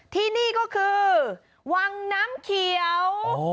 ที่นี่ก็คือวังน้ำเขียว